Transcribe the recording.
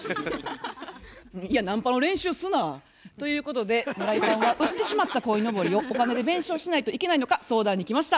いやナンパの練習すな。ということで村井さんは売ってしまったこいのぼりをお金で弁償しないといけないのか相談に来ました。